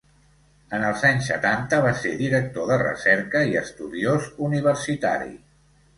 En els anys setanta va ser director de recerca i estudiós universitari.